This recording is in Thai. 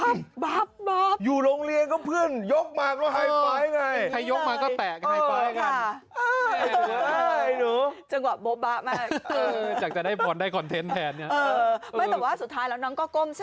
งองน้ำหัวมันโบ้จริง